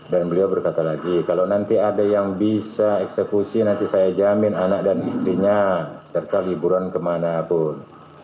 dan beliau berkata lagi kalau nanti ada yang bisa eksekusi nanti saya jamin anak dan istrinya serta liburan kemana pun